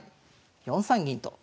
４三銀と。